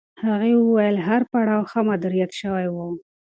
هغې وویل هر پړاو ښه مدیریت شوی و.